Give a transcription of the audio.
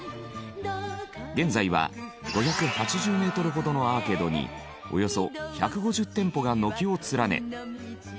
現在は５８０メートルほどのアーケードにおよそ１５０店舗が軒を連ね。